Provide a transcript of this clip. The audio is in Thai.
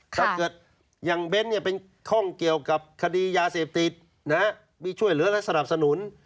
ถ้าเกิดอย่างเบ้นเป็นท่องเกี่ยวกับคดียาเสพติดมีช่วยเหลือและสนับสนุน